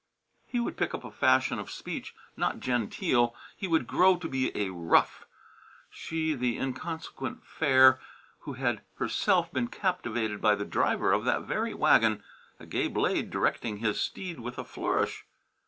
He would pick up a fashion of speech not genteel; he would grow to be a "rough." She, the inconsequent fair, who had herself been captivated by the driver of that very wagon, a gay blade directing his steed with a flourish!